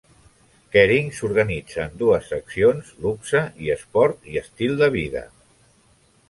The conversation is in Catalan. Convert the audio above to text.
Kering s'organitza en dues seccions: "Luxe" i "Esport i estil de vida".